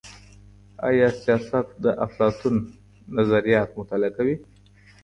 آیا سیاست د افلاطون نظریات مطالعه کوي؟